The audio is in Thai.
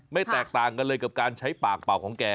แตกต่างกันเลยกับการใช้ปากเป่าของแก